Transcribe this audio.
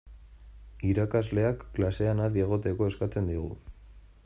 Irakasleak klasean adi egoteko eskatzen digu.